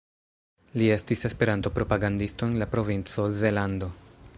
Li estis Esperanto-propagandisto en la provinco Zelando.